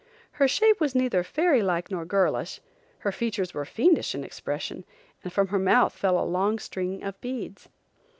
Her shape was neither fairy like nor girlish; her features were fiendish in expression and from her mouth fell a long string of beads.